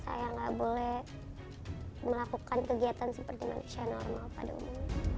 saya nggak boleh melakukan kegiatan seperti manusia normal pada umumnya